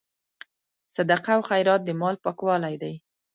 صدقه او خیرات د مال پاکوالی دی.